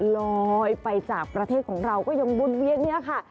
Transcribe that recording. ลอยไปจากประเทศของเราก็ยังวนเวียนเนี่ยค่ะ